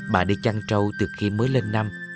bà đi chăn trâu từ khi mới lên năm